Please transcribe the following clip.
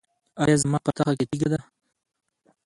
ایا زما په تخه کې تیږه ده؟